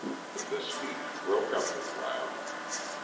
The speech broke up the crowd.